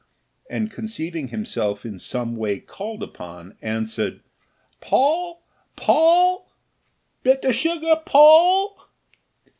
and conceiving himself in some way called upon, answered, "Poll! Poll! bit o'sugar Poll!"